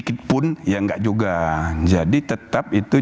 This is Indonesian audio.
itu tidak juga jadi tetap itu